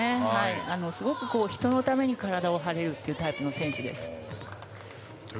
すごく人のために体を張れるタイプの選手です。